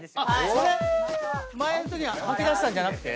それ前のときに吐き出したんじゃなくて？